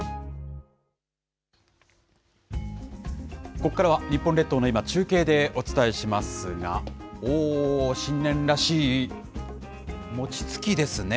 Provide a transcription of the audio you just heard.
ここからは日本列島の今、中継でお伝えしますが、おー、新年らしい、餅つきですね。